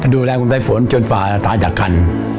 ดูแลคุณไต้ฝนจนป่าตายจากคัน